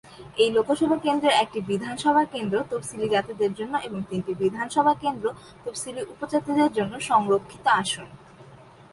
এই লোকসভা কেন্দ্রের একটি বিধানসভা কেন্দ্র তফসিলী জাতিদের জন্য এবং তিনটি বিধানসভা কেন্দ্র তফসিলী উপজাতিদের জন্য সংরক্ষিত আসন।